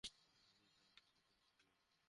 সে স্থান ত্যাগ করলেন না।